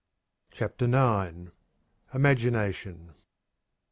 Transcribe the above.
CHAPTER IX. Imagination.